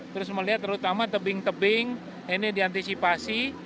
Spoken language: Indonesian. terus melihat terutama tebing tebing ini diantisipasi